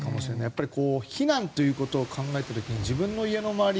やっぱり避難ということを考えた時に自分の家の周り